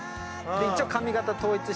一応髪形統一して。